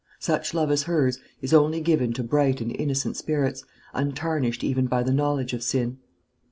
Such love as hers is only given to bright and innocent spirits, untarnished even by the knowledge of sin.